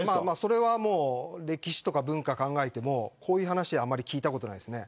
歴史や文化を考えてもこういう話はあんまり聞いたことがないです。